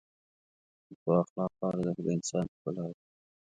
د ښو اخلاقو ارزښت د انسان ښکلا ده.